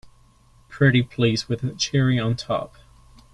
Pretty please with a cherry on top!